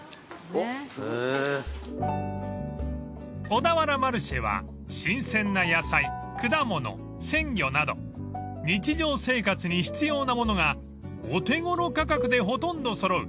［小田原マルシェは新鮮な野菜果物鮮魚など日常生活に必要なものがお手頃価格でほとんど揃う